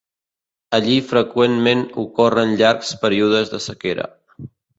Allí freqüentment ocorren llargs períodes de sequera.